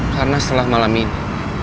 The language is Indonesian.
karena setelah malam ini